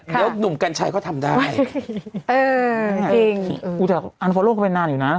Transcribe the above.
เดี๋ยวหนุ่มกันชัยก็ทำได้เออจริงอืมอุ้ยแต่ก็เป็นนานอยู่น่ะ